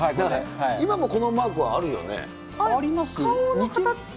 今もこのマークはあるよね？